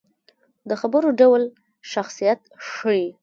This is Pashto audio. د خبرو ډول شخصیت ښيي